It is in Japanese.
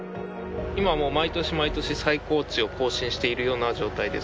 今もう毎年毎年最高値を更新しているような状態です。